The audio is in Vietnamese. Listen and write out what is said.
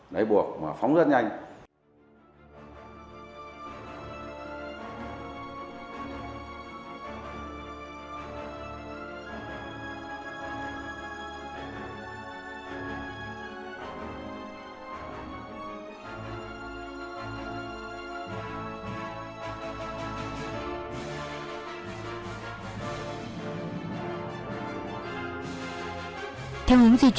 đấy buộc mà phóng rất nhanh